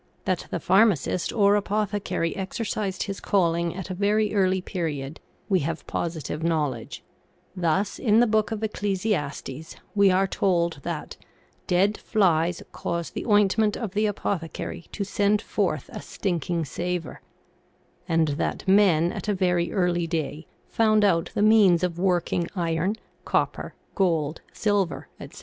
That the pharmacist or apothecary exercised his calling at a very early period we have posi tive knowledge ; thus in the Book of Ecclesiastes we are told that " dead flies cause the ointment of the apothecary to send forth a stinking savor," and that men at a very early day found out the means of working iron, copper, gold, silver, etc.